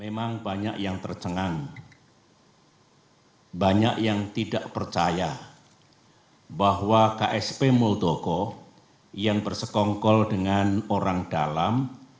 memang banyak yang tercengang banyak yang tidak percaya bahwa ksp muldoko yang bersekongkol dengan orang dalam